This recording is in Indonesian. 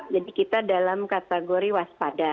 jadi kita dalam kategori waspada